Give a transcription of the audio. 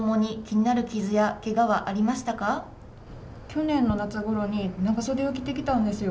去年の夏ごろに長袖を着てきたんですよ。